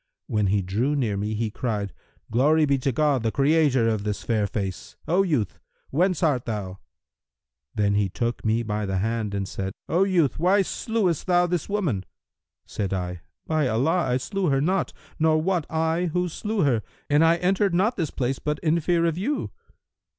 When he drew near me, he cried, 'Glory be to God, the Creator of this fair face! O youth, whence art thou?' Then he took me by the hand and said, 'O youth, why slewest thou this woman?' Said I, 'By Allah, I slew her not, nor wot I who slew her, and I entered not this place but in fear of you!'